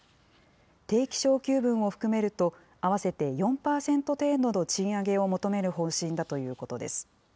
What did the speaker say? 定期昇給分を含めると、合わせて４％程度の賃上げを求める方針だということです。